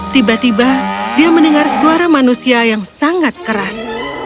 tiba tiba dia mendengar suara manusia yang sangat keras